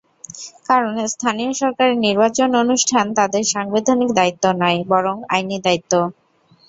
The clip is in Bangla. কারণ, স্থানীয় সরকারের নির্বাচন অনুষ্ঠান তাদের সাংবিধানিক দায়িত্ব নয়, বরং আইনি দায়িত্ব।